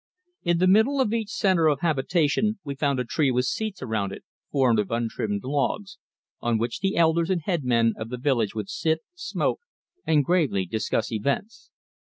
In the middle of each centre of habitation we found a tree with seats around it formed of untrimmed logs, on which the elders and head men of the village would sit, smoke, and gravely discuss events.